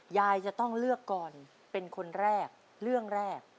ยายจะต้องเลือกก่อนเป็นคนแรกเรื่องแรก